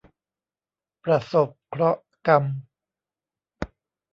ประสบเคราะห์กรรม